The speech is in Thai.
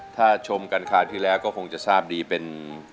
ถ้าชมกันคราวที่แล้วก็คงจะทราบดีเป็น